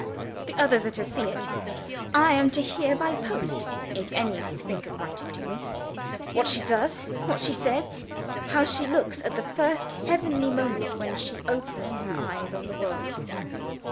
The others are to see it: I am to hear by post (if any of you think of writing to me) what she does, what she says, how she looks, at the first heavenly moment when she opens her eyes on the world."